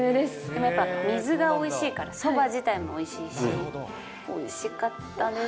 水がおいしいから、そば自体もおいしいし、おいしかったです。